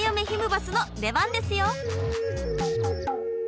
バスの出番ですよ！